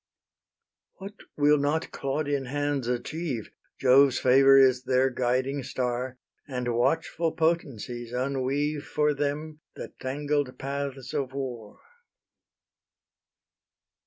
What will not Claudian hands achieve? Jove's favour is their guiding star, And watchful potencies unweave For them the tangled paths of war.